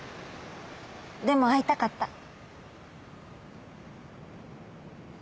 でも会いたかった。